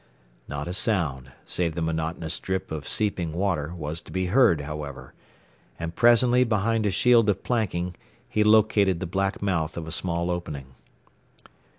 Not a sound save the monotonous drip of seeping water was to be heard, however, and presently behind a shield of planking he located the black mouth of a small opening.